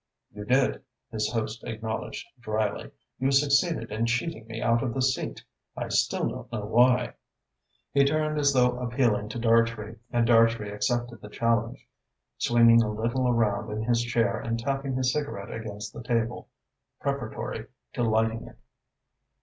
"You did," his host acknowledged drily. "You succeeded in cheating me out of the seat. I still don't know why." He turned as though appealing to Dartrey, and Dartrey accepted the challenge, swinging a little around in his chair and tapping his cigarette against the table, preparatory to lighting it.